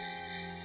ini bukan untukmu